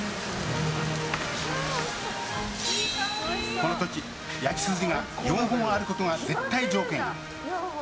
この時、焼き筋が４本あることが絶対条件。